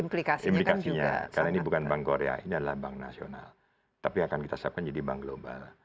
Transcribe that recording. implikasinya karena ini bukan bank korea ini adalah bank nasional tapi akan kita siapkan jadi bank global